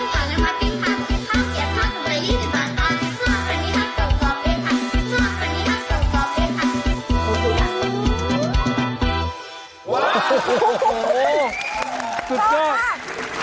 สุดยอดสุดยอด